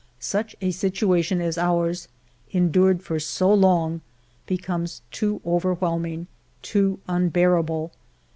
Such a situa tion as ours, endured for so long, becomes too overwhelming, too unbearable.